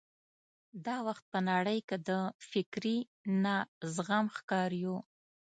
دا وخت په نړۍ کې د فکري نه زغم ښکار یو.